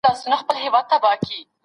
د تحقيق پرته اقدام کول مو پښيمانوي.